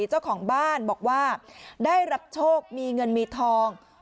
เจ้าของบ้านบอกว่าได้รับโชคมีเงินมีทอง